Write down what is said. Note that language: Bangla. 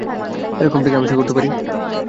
এরকমটা কি আমরা আশা করতে পারি?